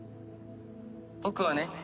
僕はね